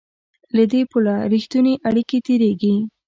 له دې پله رښتونې اړیکې تېرېږي.